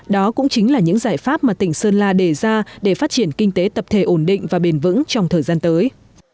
đó cũng chính là những giải pháp mà tỉnh sơn la đề ra để phát triển kinh tế tập thể ổn định và bền vững trong thời gian tới